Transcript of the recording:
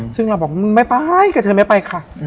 ซึ่งเราบอกมึงไม่ไปกับเธอไม่ไปค่ะ